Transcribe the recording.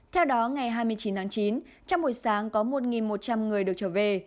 theo đó ngày hai mươi chín tháng chín trong buổi sáng có một một trăm linh người được trở về